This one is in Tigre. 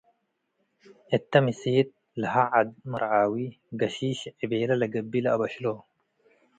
እተ ምሴት ለሀ ዐድ መርዓዊ ገሺሽ ዕቤለ ለገብእ ለአበሽሎ ።